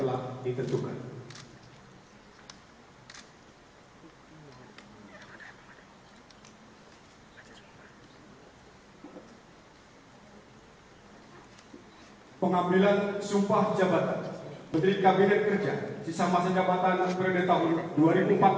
lalu kebangsaan indonesia baik